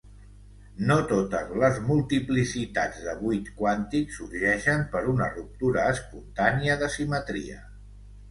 No totes les multiplicitats de buit quàntic sorgeixen per una ruptura espontània de simetria.